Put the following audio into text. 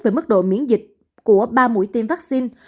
về mức độ miễn dịch của ba mũi tiêm vắc xin